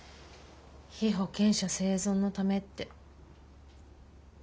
「被保険者生存のため」って。